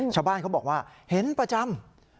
ชาวบ้านเขาบอกว่าเห็นประจำ